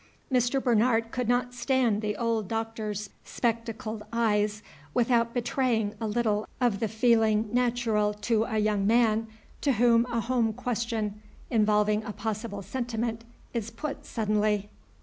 Mr. Bernard could not stand the old Doctor's spectacled eyes without betraying a little of the feeling natural to a young man to whom a home question involving a possible sentiment is put suddenly.